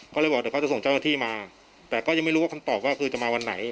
ก็เลยบอกเดี๋ยวเขาจะส่งเจ้าหน้าที่มาแต่ก็ยังไม่รู้ว่าคำตอบว่าคือจะมาวันไหน